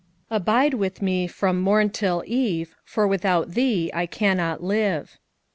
£ 'Abide with me from morn till eve, For without thee I cannot live."